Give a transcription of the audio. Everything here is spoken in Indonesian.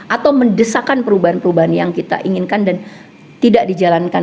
atau mendesakan perubahan perubahan yang kita inginkan dan tidak dijalankan